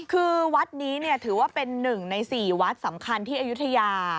คือวัดนี้ถือว่าเป็น๑ใน๔วัดสำคัญที่อายุทยา